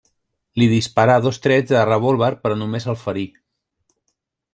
Li disparà dos trets de revòlver però només el ferí.